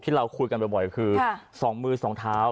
ที่เราคุยกันบ่อยคือสองมือสองเท้า